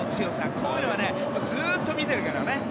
こういうのはずっと見ているから。